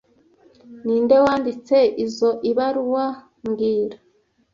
Ninde wanditse izoi baruwa mbwira